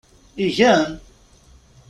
Igen?